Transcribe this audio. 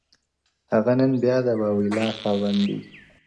هغه نن بيا د واويلا خاوند دی،